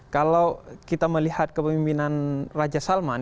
kalau kita melihat kepemimpinan raja salman